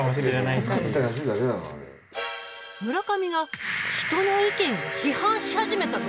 村上が人の意見を批判し始めたぞ。